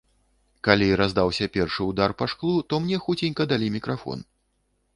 Калі раздаўся першы ўдар па шклу, то мне хуценька далі мікрафон.